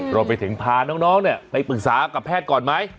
รวมไปถึงพาน้องไปปรึกษากับแพทย์ก่อนไหม